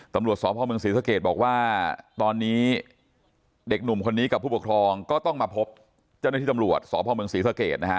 ตำรวจสพศเกรดบอกว่าตอนนี้เด็กหนุ่มคนนี้กับผู้ปกครองก็ต้องมาพบเจ้าหน้าที่ตำรวจสพศเกรดนะฮะ